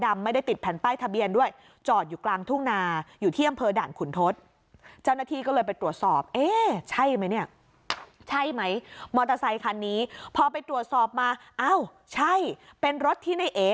มอเตอร์ไซคันนี้พอไปตรวจสอบมาอ้าวใช่เป็นรถที่ในเอ๋อ